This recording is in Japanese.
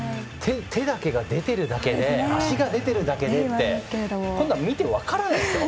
手だけが出ているだけとか足が出ているだけでってこんなの見て分かりませんよ。